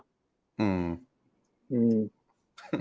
อืม